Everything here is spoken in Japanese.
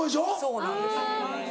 そうなんです。